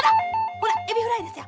ほらエビフライですよ。